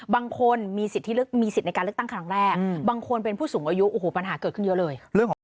บางคนมีสิทธิลึกมีสิทธิ์ในการเลือกตั้งครั้งแรกบางคนเป็นผู้สูงอายุโอ้โหปัญหาเกิดขึ้นเยอะเลย